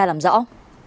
điều tra làm rõ